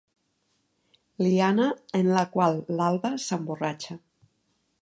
Liana en la qual l'Alba s'emborratxa.